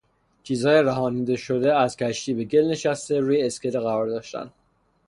چیزهای رهانیده شده از کشتی به گل نشسته روی اسکله قرار داشتند.